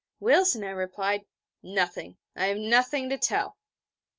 Wilson had replied: 'Nothing. I have nothing to tell.'